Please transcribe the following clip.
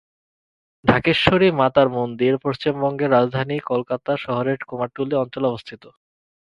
ঢাকেশ্বরী মাতার মন্দির পশ্চিমবঙ্গের রাজধানী কলকাতা শহরের কুমারটুলি অঞ্চলে অবস্থিত।